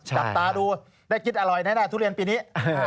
จับตาดูได้กินอร่อยแน่ทุเรียนปีนี้